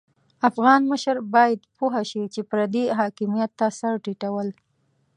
افغان مشر بايد پوه شي چې پردي حاکميت ته سر ټيټول.